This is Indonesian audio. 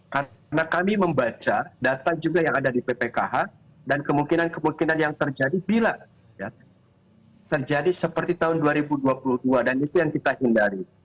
karena kami membaca data jumlah yang ada di ppkh dan kemungkinan kemungkinan yang terjadi bila terjadi seperti tahun dua ribu dua puluh dua dan itu yang kita hindari